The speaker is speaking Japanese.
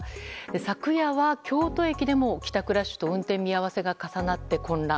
昨夜は京都駅でも帰宅ラッシュと運転見合わせが重なって混乱。